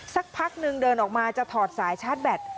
สักพักนึงเดินออกมาจะถอดสายชาร์จแบต